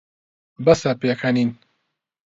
بەسە پێکەنین.